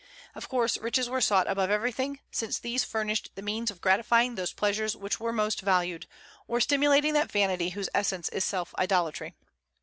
Of course, riches were sought above everything, since these furnished the means of gratifying those pleasures which were most valued, or stimulating that vanity whose essence is self idolatry.